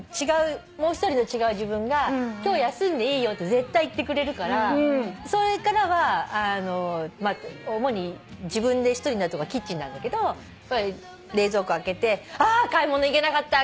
もう一人の違う自分が「今日休んでいいよ」って絶対言ってくれるからそれからは主に自分で一人になるとこはキッチンなんだけど冷蔵庫開けて「あ買い物行けなかった。